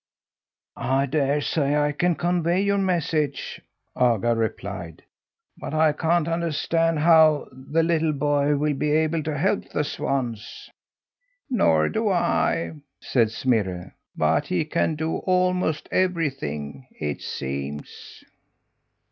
"I dare say I can convey your message," Agar replied, "but I can't understand how the little boy will be able to help the swans." "Nor do I," said Smirre, "but he can do almost everything, it seems."